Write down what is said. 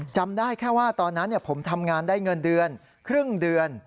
จำได้แค่ว่าตอนนั้นผมทำงานได้เงินเดือนครึ่งเดือน